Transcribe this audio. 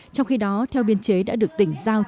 trong khi đó theo biên chế đã được tỉnh giao